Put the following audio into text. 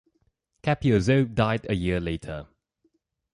Capiozzo died a year later.